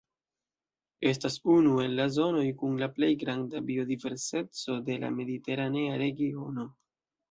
Estas unu el la zonoj kun la plej granda biodiverseco de la mediteranea regiono.